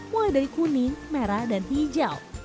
mulai dari kuning merah dan hijau